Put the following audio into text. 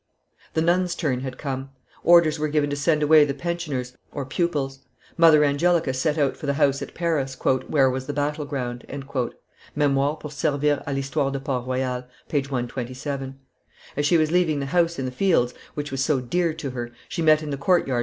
The nuns' turn had come; orders were given to send away the pensioners (pupils); Mother Angelica set out for the house at Paris, "where was the battle ground." [Memoires pour servir a l'Histoire de Port Royal, t. ii. p. 127.] As she was leaving the house in the fields, which was so dear to her, she met in the court yard M.